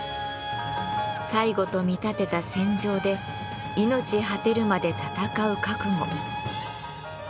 最期と見立てた戦場で命果てるまで戦う覚悟。